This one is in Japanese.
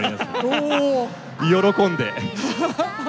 喜んで！